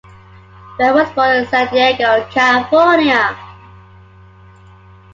Bear was born in San Diego, California.